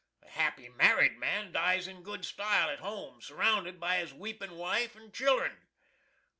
The happy marrid man dies in good stile at home, surrounded by his weeping wife and children.